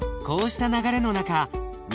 こうした流れの中